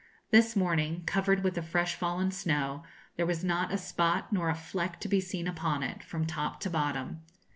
This morning covered with the fresh fallen snow, there was not a spot nor a fleck to be seen upon it, from top to bottom.